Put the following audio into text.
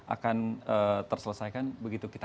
akan terselesaikan begitu kita